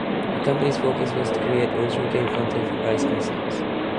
The company's focus was to create original game content for various consoles.